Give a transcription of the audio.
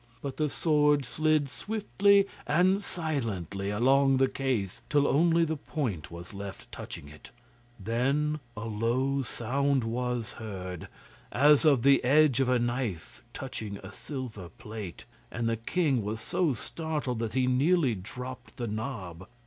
But the sword slid swiftly and silently along the case till only the point was left touching it. Then a low sound was heard, as of the edge of a knife touching a silver plate, and the king was so startled that he nearly dropped the knob.